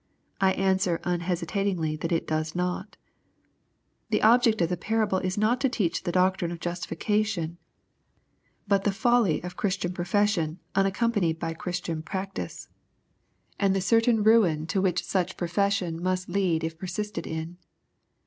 I answer unhesitat ingly that it does not The object of the parable is not to teach the doctrine of justi fication, but the folly of Christian profession unaccompanied by LUKE, CHAP. VII. 199 Christian practice and the certain ruin to which such profession must lead if persisted in.